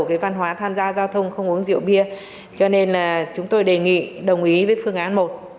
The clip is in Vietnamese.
cái văn hóa tham gia giao thông không uống rượu bia cho nên là chúng tôi đề nghị đồng ý với phương án một